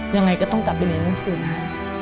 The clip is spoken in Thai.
ยังไงก็ต้องกลับไปเรียนหนังสือให้